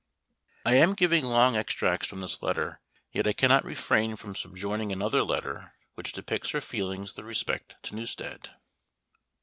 I am giving long extracts from this letter, yet I cannot refrain from subjoining another letter, which depicts her feelings with respect to Newstead.